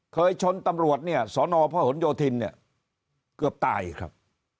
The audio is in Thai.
ชนตำรวจเนี่ยสอนอพหนโยธินเนี่ยเกือบตายครับ